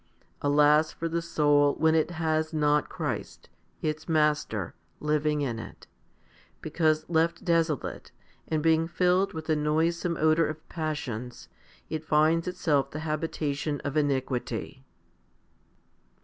Alas for the soul when it has not Christ, its Master, living in it ; because, left desolate, and being filled with the noisome odour of passions, it finds itself the habitation of iniquity.